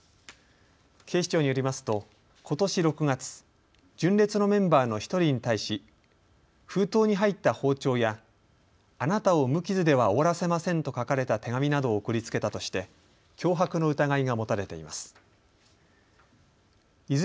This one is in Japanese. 警視庁によりますとことし６月、純烈のメンバーの１人に対し封筒に入った包丁やあなたを無傷では終わらせませんと書かれた手紙などを送りつけたとして脅迫の疑いが持たれています。